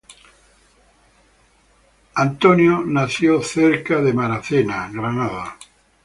Harrington nació cerca de Newport News, Virginia.